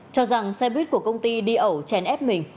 cho rằng xe buýt của công ty đi ẩu chèn ép mình